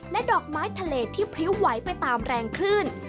ดอกไม้ทะเลที่พริ้วไหวไปตามแรงคลื่น